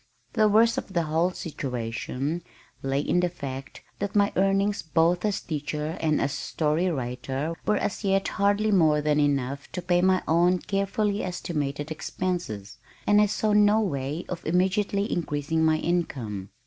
The worst of the whole situation lay in the fact that my earnings both as teacher and as story writer were as yet hardly more than enough to pay my own carefully estimated expenses, and I saw no way of immediately increasing my income.